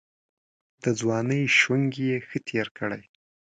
د ځوانۍ شنګ یې ښه تېر کړی.